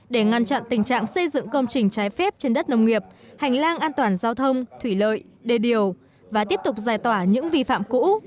để ngăn chặn tình trạng xây dựng công trình trái phép trên đất nông nghiệp hành lang an toàn giao thông thủy lợi đề điều và tiếp tục giải tỏa những vi phạm cũ